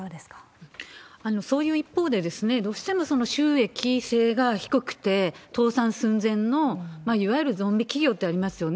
そういう一方で、どうしても収益性が低くて倒産寸前の、いわゆるゾンビ企業ってありますよね。